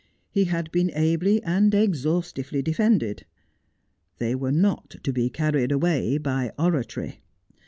He had been ably and exhaustively defended. They were not to be carried away by oratory.